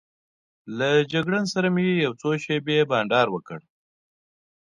له جګړن سره مې یو څو شېبې بانډار وکړ.